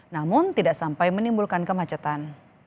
namun tidak sampai menimbulkan kemacetan